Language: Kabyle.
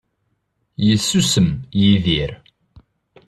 Yessusem Yidir.